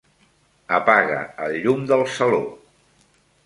Apaga el llum del saló.